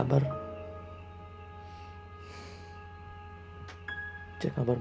papa cek kabar